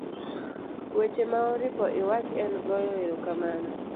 weche ma oripo iwach en goyo erokamano,